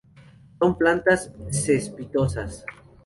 Son plantas cespitosas.